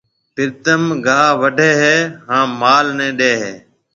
پرتم گاها واڍيَ هيَ هانَ مال نَي ڏَي هيَ۔